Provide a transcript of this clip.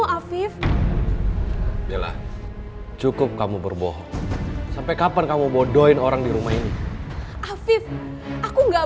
afif ya cukup kamu berbohong sampai kapan kamu bodohin orang di rumah ini afif aku enggak